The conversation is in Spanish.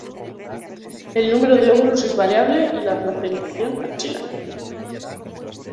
El número de óvulos es variable y la placentación axilar.